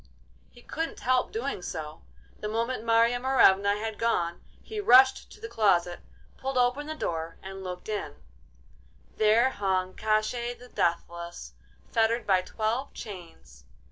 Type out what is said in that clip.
He couldn't help doing so. The moment Marya Morevna had gone he rushed to the closet, pulled open the door, and looked in—there hung Koshchei the Deathless, fettered by twelve chains.